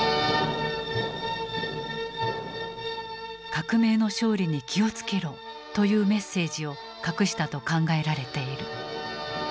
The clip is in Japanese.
「革命の勝利に気をつけろ！」というメッセージを隠したと考えられている。